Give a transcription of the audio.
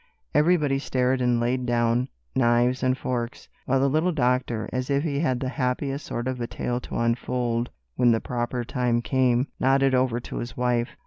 Everybody stared and laid down knives and forks, while the little doctor, as if he had the happiest sort of a tale to unfold when the proper time came, nodded over to his wife.